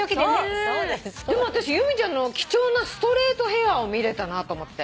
でも私由美ちゃんの貴重なストレートヘアを見れたなと思って。